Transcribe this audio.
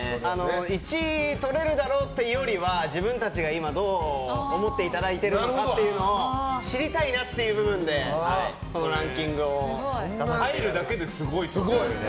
１位とれるだろうというよりは自分たちが今どう思っていただいているのかというのを知りたいなっていう部分でこのランキングを出させてもらいました。